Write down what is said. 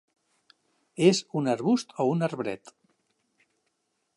És un arbust o un arbret.